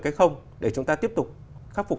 cái không để chúng ta tiếp tục khắc phục